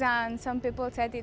bagus untuk mencoba setidaknya